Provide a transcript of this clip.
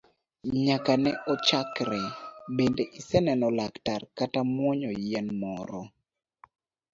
Nyaka ne ochakre bende iseneno laktar kata muonyo yien moro?